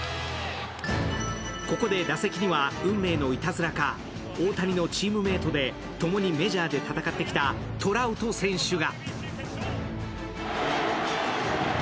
ここで打席には運命のいたずらか大谷のチームメイトでともにメジャーで戦ってきたトラウト選手が。